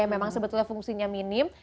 memang sebetulnya fungsinya minim